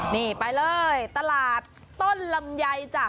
นี่ไปเลยตลาดต้นลำไยจ้ะ